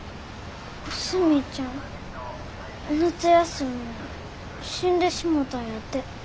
スミちゃん夏休みに死んでしもたんやて。